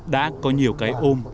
đã có nhiều cái ước nguyện